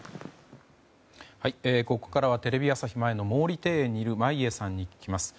ここからはテレビ朝日前の毛利庭園にいる眞家さんに聞きます。